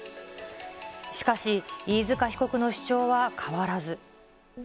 しかし、飯塚被告の主張は変わらず。